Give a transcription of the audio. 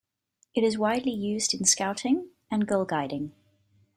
It is widely used in Scouting and Girl Guiding.